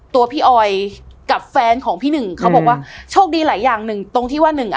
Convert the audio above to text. ตัวพี่ออยกับแฟนของพี่หนึ่งเขาบอกว่าโชคดีหลายอย่างหนึ่งตรงที่ว่าหนึ่งอ่ะ